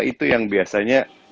itu yang biasanya